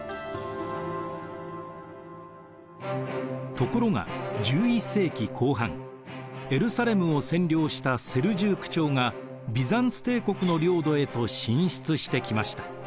ところが１１世紀後半エルサレムを占領したセルジューク朝がビザンツ帝国の領土へと進出してきました。